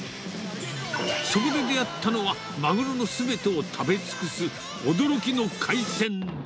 そこで出会ったのは、マグロのすべてを食べ尽くす驚きの海鮮丼。